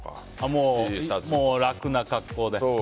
もう楽な格好で。